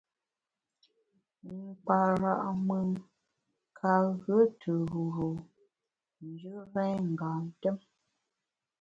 Nkpara’ mùn ka ghue tù ruru njù rèn ngam tùm.